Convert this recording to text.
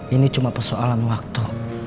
ini cuma persoalan waktu